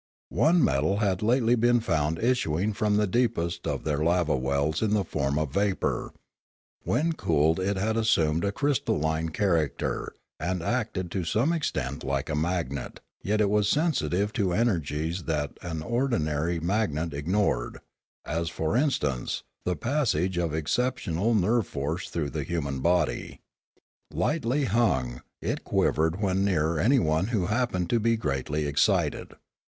One metal had lately been found issuing from the deepest of their lava wells in the form of vapour; when cooled, it had assumed a crystalline character, and acted to some extent like a magnet; yet it was sensitive to energies that an ordinary magnet ignored, as, for instance, the passage of exceptional nerve force through the human body. Lightly hung, it quivered when near anyone who happened to be greatly excited.